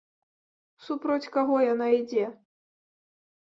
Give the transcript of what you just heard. Супроць каго яна ідзе?